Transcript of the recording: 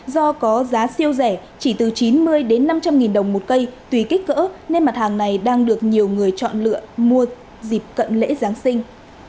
do có giá siêu rẻ chỉ từ chín mươi năm trăm linh nghìn đồng một cây tùy kích cỡ nên mặt hàng này đang được nhiều người chọn lựa mua dịp cận lễ giáng sinh